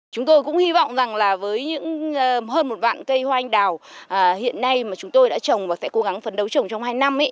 chúng tôi cũng hy vọng rằng là với hơn một vạn cây hoa anh đào hiện nay mà chúng tôi đã trồng và sẽ cố gắng phấn đấu trồng trong hai năm